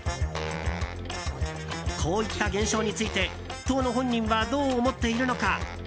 こういった現象について当の本人はどう思っているのか。